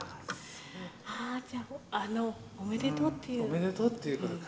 おめでとうっていうことか。